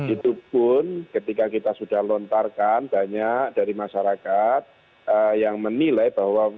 itu pun ketika kita sudah lontarkan banyak dari masyarakat yang menilai bahwa